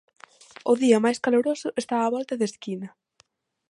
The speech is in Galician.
O día máis caloroso está á volta da esquina.